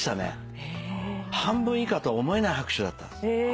半分以下とは思えない拍手だったんです。